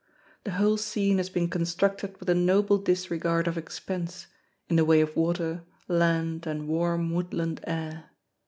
The whole scene has been constructed with a noble disregard of expense, in the way of water, land, and warm wood land air.